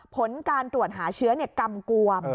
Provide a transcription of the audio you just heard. ผลการตรวจหาเชื้อกำกวม